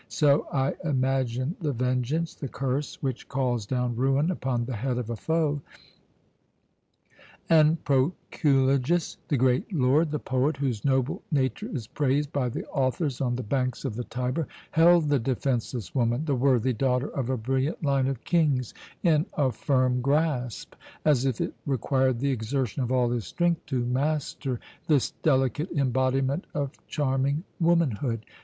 So I imagine the vengeance, the curse which calls down ruin upon the head of a foe. And Proculejus, the great lord, the poet whose noble nature is praised by the authors on the banks of the Tiber, held the defenceless woman, the worthy daughter of a brilliant line of kings, in a firm grasp, as if it required the exertion of all his strength to master this delicate embodiment of charming womanhood.